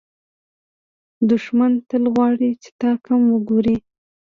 دښمن تل غواړي چې تا کم وګوري